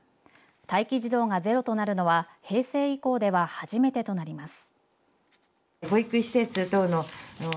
待機児童がゼロとなるのは平成以降では初めてとなります。